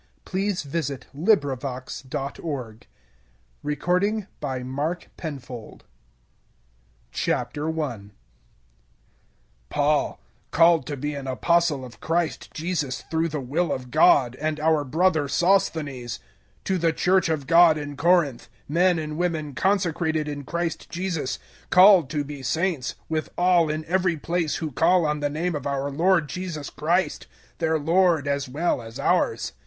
F. Weymouth Book 46 1 Corinthians 001:001 Paul, called to be an Apostle of Christ Jesus through the will of God and our brother Sosthenes: 001:002 To the Church of God in Corinth, men and women consecrated in Christ Jesus, called to be saints, with all in every place who call on the name of our Lord Jesus Christ their Lord as well as ours.